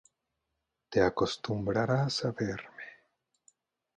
Te acostumbrarás a verme.